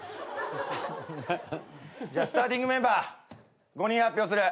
じゃあスターティングメンバー５人発表する。